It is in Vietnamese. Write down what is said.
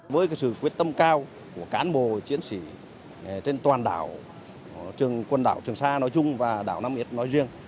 với sự quyết tâm cao của cán bộ chiến sĩ trên toàn đảo trường quân đảo trường sa nói chung và đảo nam yết nói riêng